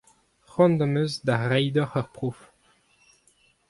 C'hoant am eus da reiñ deoc'h ur prof.